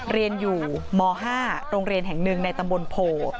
เรียนอยู่ม๕โรงเรียนแห่งหนึ่งในตำบลโพ